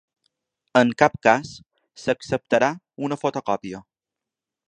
En cap cas s’acceptarà una fotocòpia.